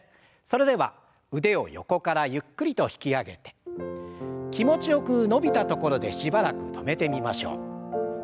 それでは腕を横からゆっくりと引き上げて気持ちよく伸びたところでしばらく止めてみましょう。